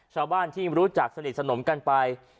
ชาวบ้านที่รู้จักสนิทสนมกันไป